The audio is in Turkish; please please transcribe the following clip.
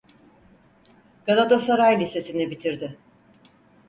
Galatasaray Lisesi'ni bitirdi.